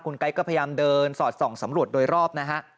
ไก๊ก็พยายามเดินสอดส่องสำรวจโดยรอบนะฮะ